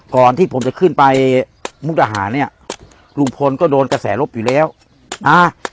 ก่อนที่ผมจะขึ้นไปมุกดาหารเนี้ยลุงพลก็โดนกระแสลบอยู่แล้วอ่า